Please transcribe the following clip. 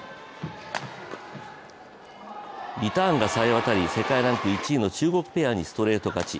リターンがさえ渡り、世界ランク１位の中国ペアにストレート勝ち。